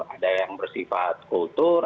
ada yang bersifat kultur